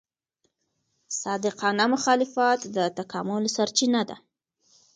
صادقانه مخالفت د تکامل سرچینه ده.